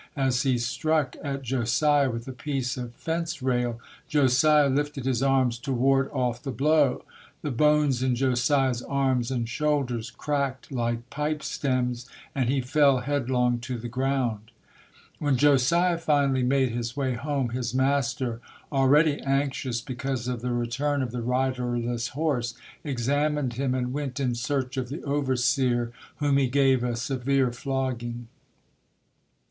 As he struck at Josiah with a piece of fence rail, Josiah lifted his arms to ward off the blow. The bones in Josiah's arms and shoulders cracked like pipe stems, and he fell headlong to the ground. When Josiah finally made his way home, his master, already anxious because of the return of the riderless horse, examined him and went in search of the overseer, whom he gave a severe flogging.